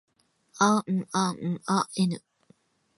あんあんあ ｎ